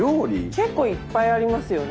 結構いっぱいありますよね？